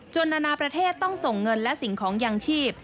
นานาประเทศต้องส่งเงินและสิ่งของยางชีพ